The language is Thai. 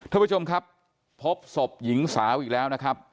ท่านผู้ชมครับพบศพหญิงสาวอีกแล้วนะครับ